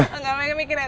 gak pake mikir ya